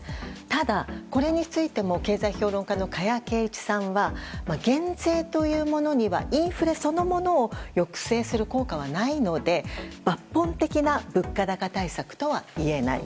ただ、これについても経済評論家の加谷珪一さんは減税というものにはインフレそのものを抑制する効果はないので抜本的な物価高対策とはいえない。